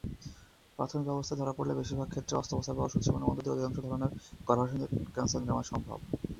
প্রাথমিক অবস্থায় ধরা পড়লে বেশিরভাগ ক্ষেত্রেই অস্ত্রোপচার বা ঔষধ সেবনের মধ্যে দিয়ে অধিকাংশ ধরনের গর্ভাশয় ক্যান্সার নিরাময় করা সম্ভব।